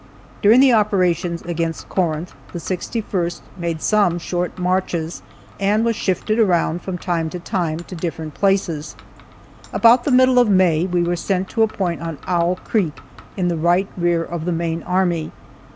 During the operations against Corinth, the 61st made some short marches, and was shifted around, from time to time, to different places. About the middle of May we were sent to a point on Owl creek, in the right rear of the main army.